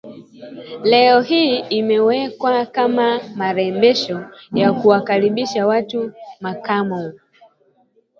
leo hii yameekwa kama marembesho ya kuwakaribisha wa Makamo